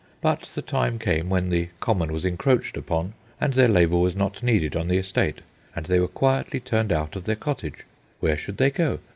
But the time came when the common was encroached upon, and their labour was not needed on the estate, and they were quietly turned out of their cottage. Where should they go?